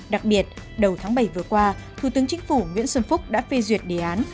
đặc biệt đầu tháng bảy vừa qua thủ tướng chính phủ nguyễn xuân phúc đã phê duyệt đề án